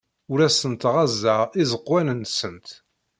Ur asent-ɣɣazeɣ iẓekwan-nsent.